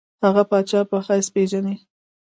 هغه پاچا په حیث پېژني.